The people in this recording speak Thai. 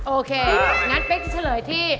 โอเคงั้นเป๊กจะเฉลยที่